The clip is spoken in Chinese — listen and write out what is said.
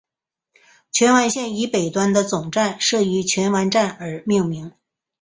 荃湾线以北端的总站设于荃湾站而命名。